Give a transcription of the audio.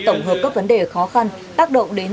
tổng hợp các vấn đề khó khăn tác động đến